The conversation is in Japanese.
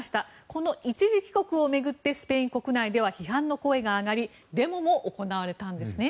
この一時帰国を巡ってスペイン国内では批判の声が上がりデモも行われたんですね。